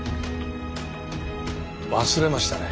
忘れましたね